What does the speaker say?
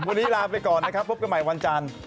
วันนี้ลาไปก่อนนะครับพบกันใหม่วันจันทร์